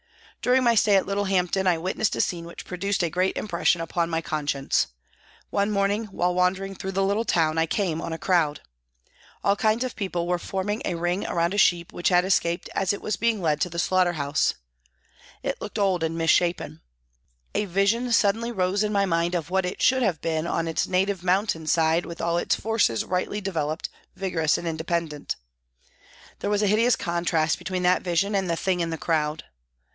During my stay at Littlehampton I witnessed a scene which produced a great impression upon my conscience. One morning, while wandering through the little town, I came on a crowd. All kinds of people were forming a ring round a sheep which had escaped as it was being taken to the slaughter MY CONVERSION 13 house. It looked old and misshapen. A vision suddenly rose in my mind of what it should have been on its native mountain side with all its forces rightly developed, vigorous and independent. There was a hideous contrast between that vision and the thing in the crowd.